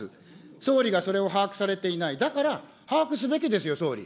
総理がそれを把握されていない、だから把握すべきですよ、総理。